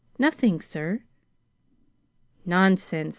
Nothing, sir." "Nonsense!